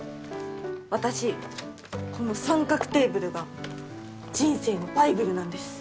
私この『三角テーブル』が人生のバイブルなんです。